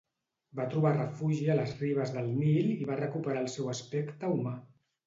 Va trobar refugi a les ribes del Nil i va recuperar el seu aspecte humà.